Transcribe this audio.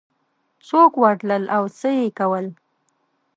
څوک ورتلل او څه یې کول